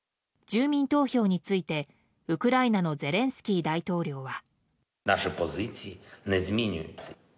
住民投票についてウクライナのゼレンスキー大統領は。